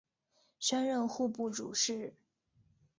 升任户部主事。